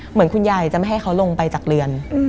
เหมือนคุณยายจะไม่ให้เขาลงไปจากเรือน